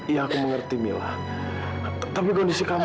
ya aku mengerti mila tapi kondisi kamu